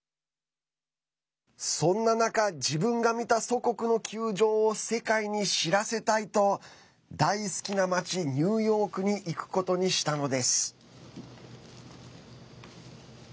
そんな中自分が見た祖国の窮状を世界に知らせたいと大好きな街、ニューヨークに行くことにしたのです。